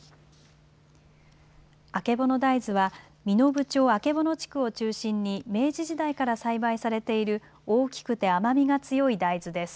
あけぼの大豆は身延町曙地区を中心に明治時代から栽培されている大きくて甘みが強い大豆です。